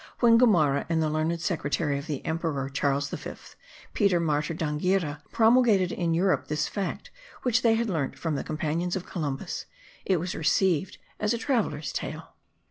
When Gomara and the learned secretary of the emperor Charles V, Peter Martyr d'Anghiera, promulgated in Europe this fact which they had learnt from the companions of Columbus, it was received as a traveller's tale.